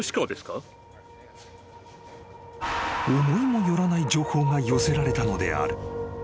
［思いも寄らない情報が寄せられたのである］